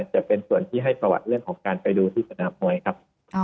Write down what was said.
จะเป็นส่วนที่ให้ประวัติเรื่องของการไปดูที่สนามมวยครับ